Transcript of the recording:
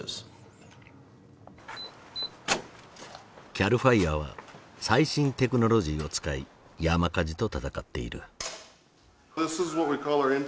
ＣＡＬＦＩＲＥは最新テクノロジーを使い山火事と闘っている。